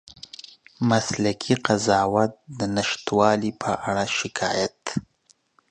مسلکي قضاوت د نشتوالي په اړه شکایت